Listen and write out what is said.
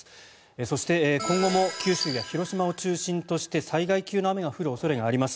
そして今後も九州や広島を中心として災害級の雨が降る恐れがあります。